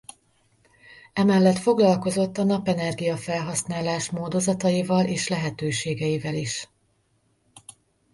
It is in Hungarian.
Emellett foglalkozott a napenergia-felhasználás módozataival és lehetőségeivel is.